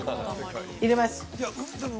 入れます！